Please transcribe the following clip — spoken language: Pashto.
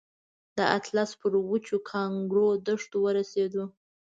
د اطلس پر وچو کانکرو دښتو ورسېدو.